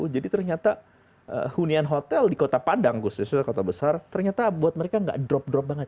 jadi ternyata hunian hotel di kota padang khususnya kota besar ternyata buat mereka nggak drop drop banget